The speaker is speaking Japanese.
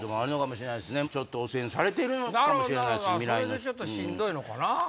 それでちょっとしんどいのかな？